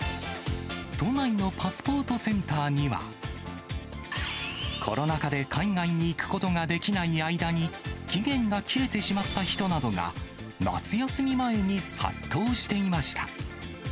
都内のパスポートセンターには、コロナ禍で海外に行くことができない間に、期限が切れてしまった人などが、夏休み前に殺到していました。